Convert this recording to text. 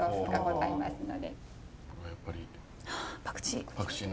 あっやっぱりパクチーの。